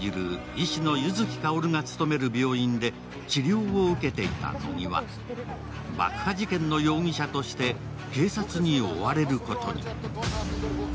医師の柚木薫が勤める病院で治療を受けていた乃木は爆破事件の容疑者として、警察に追われることに。